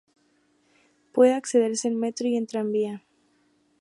Puede accederse en metro y en tranvía.